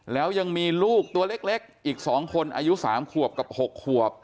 แล้วยังมีลูกตัวเล็กอีก๒คนอายุ๓ขวบกับ๖ขวบ